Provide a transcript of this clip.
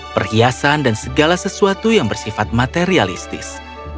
perhiasan dan segala sesuatu yang bersifat materialistis